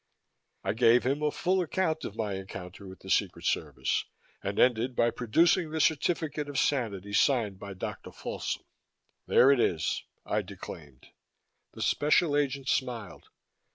I gave him a full account of my encounter with the Secret Service and ended by producing the certificate of sanity signed by Dr. Folsom. "There it is," I declaimed. The Special Agent smiled.